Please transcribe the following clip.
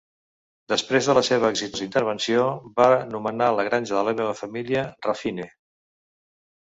Després de la seva exitosa invenció, va nomenar la granja de la seva família, Raphine.